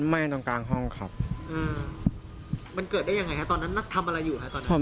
ไหม้ตรงกลางห้องครับมันเกิดได้ยังไงฮะตอนนั้นนักทำอะไรอยู่ฮะตอนนั้น